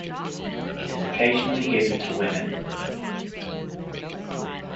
It is occasionally given to women.